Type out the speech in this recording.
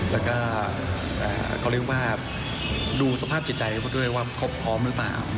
แล้วก็ก็เรียกว่าดูสภาพใจเพราะดูว่าพร้อมหรือเปล่า